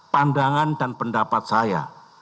pandangan dan pendapat saya